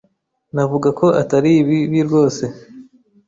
Navuga ko atari bibi rwose